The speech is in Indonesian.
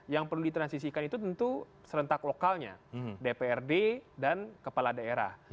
yang perlu ditransisikan itu tentu serentak lokalnya dprd dan kepala daerah